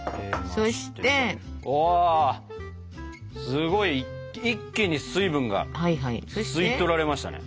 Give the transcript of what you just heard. すごい一気に水分が吸い取られましたね。